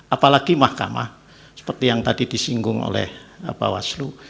apalagi mahkamah seperti yang tadi disinggung oleh bawaslu